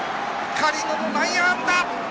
狩野の内野安打。